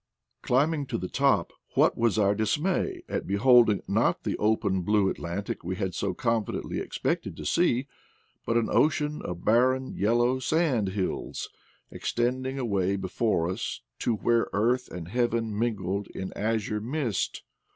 Climbing to the top, what was our dis may at beholding not the open blue Atlantic we had so confidently expected to see, but an ocean of barren yellow sand hills, extending away before us to where earth and heaven mingled in azure mist!